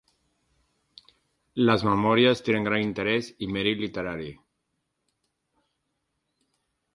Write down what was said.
Les "Memòries" tenen gran interès i mèrit literari.